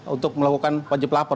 untuk melakukan wajib lapor